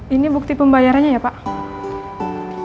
ini bukti pembayarannya ya pak